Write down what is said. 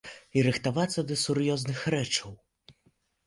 І рыхтавацца да сур'ёзных рэчаў.